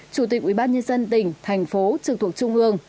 chủ tịch ủy ban nhân dân tỉnh thành phố trường thuộc trung ương